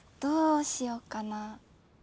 どうしようかな。